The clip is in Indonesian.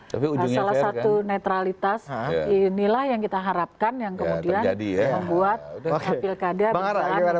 salah satu netralitas inilah yang kita harapkan yang kemudian membuat pilkada berjalan